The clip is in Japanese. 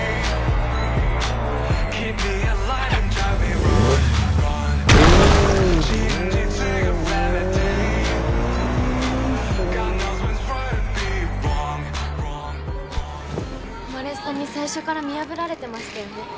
誉さんに最初から見破られていましたよね。